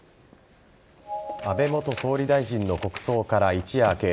安倍元総理大臣の国葬から一夜明け